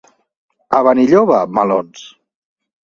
A Benilloba, melons.